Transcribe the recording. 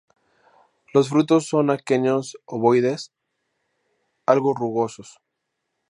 Los frutos son aquenios ovoides algo rugosos.